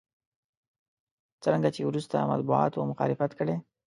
څرنګه چې وروسته مطبوعاتو مخالفت کړی.